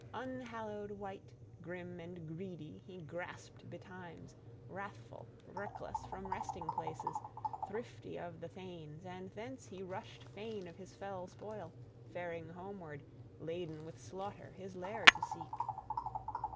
Unhallowed wight, grim and greedy, he grasped betimes, wrathful, reckless, from resting places, thirty of the thanes, and thence he rushed fain of his fell spoil, faring homeward, laden with slaughter, his lair to seek.